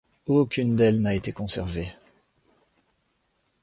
Aucune d'elles n'a été conservée.